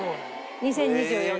２０２４年。